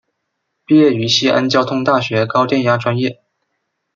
毕业于西安交通大学高电压专业。